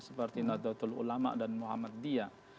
seperti nadatul ulama dan muhammad diyah